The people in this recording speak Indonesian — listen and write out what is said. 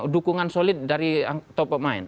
dukungan solid dari top of mind